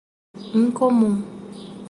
Incomum